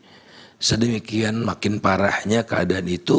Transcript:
jadi sedemikian makin parahnya keadaan itu